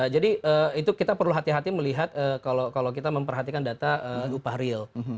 jadi itu kita perlu hati hati melihat kalau kita memperhatikan data upah real